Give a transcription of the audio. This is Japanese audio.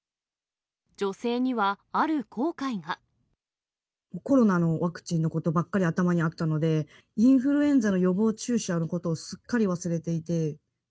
女性には、コロナのワクチンのことばっかり頭にあったんで、インフルエンザの予防注射のことをすっかり忘れていて。